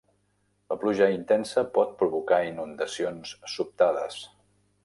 La pluja intensa pot provocar inundacions sobtades.